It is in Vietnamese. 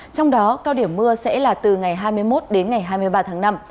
trong đó cao điểm mưa sẽ là từ ngày hai mươi một đến ngày hai mươi ba tháng năm